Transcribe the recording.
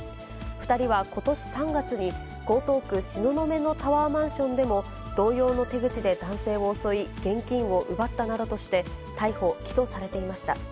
２人は、ことし３月に江東区東雲のタワーマンションでも、同様の手口で男性を襲い、現金を奪ったなどとして、逮捕・起訴されていました。